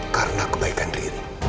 karena kebaikan diri